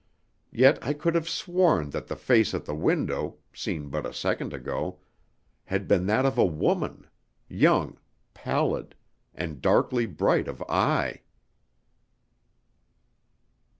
Yet I could have sworn that the face at the window, seen but a second ago, had been that of a woman, young, pallid, and darkly bright of eye!